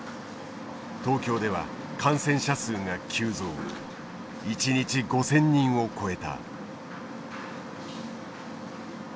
東京では感染者数が急増一日５，０００人を超えた。